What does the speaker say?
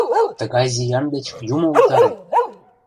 — Тыгай зиян деч юмо утаре!